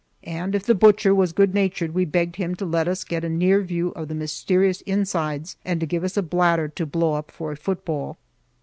And if the butcher was good natured, we begged him to let us get a near view of the mysterious insides and to give us a bladder to blow up for a foot ball.